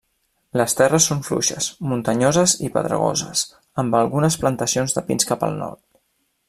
Les terres són fluixes, muntanyoses i pedregoses, amb algunes plantacions de pins cap al nord.